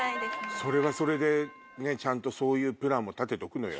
それはそれでちゃんとそういうプランも立てとくのよ。